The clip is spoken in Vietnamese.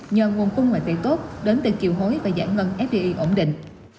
nhờ nguồn khung ngoại tệ tốt đến từ kiều hối và giãn ngân fdi ổn định